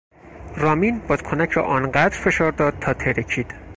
رامین بادکنک را آنقدر فشار داد تا ترکید.